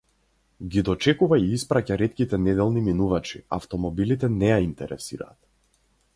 Ги дочекува и испраќа ретките неделни минувачи, автомобилите не ја интересираат.